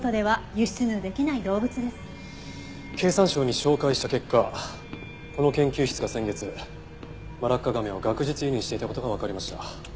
経産省に照会した結果この研究室が先月マラッカガメを学術輸入していた事がわかりました。